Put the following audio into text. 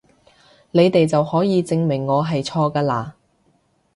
你哋就可以證明我係錯㗎嘞！